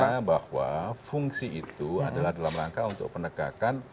fungsinya bahwa fungsi itu adalah dalam langkah untuk penegakan